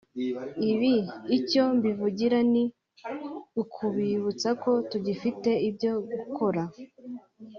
Ibi icyo mbivugira ni ukubibutsa ko tugifite ibyo gukora